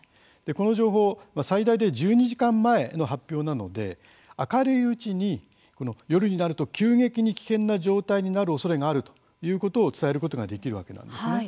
この情報最大で１２時間前の発表なので明るいうちに夜になると急激に危険な状態になるおそれがあることを伝えることができるわけなんです。